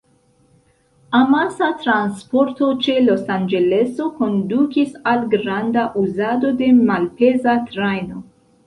Amasa transporto ĉe Los Anĝeleso kondukis al granda uzado de malpeza trajno.